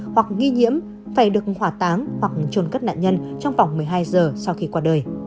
hoặc nghi nhiễm phải được hỏa táng hoặc trồn cất nạn nhân trong vòng một mươi hai giờ sau khi qua đời